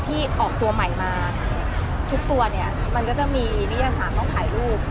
ที่ออกตัวใหม่มาทุกตัวเนี่ยมันก็จะมีนิยศาสตร์ต้องถ่ายรูป